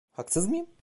Haksız mıyım?